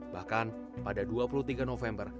bahkan pada dua puluh tiga november